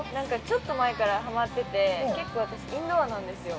ちょっと前からはまってて、結構、私インドアなんですよ。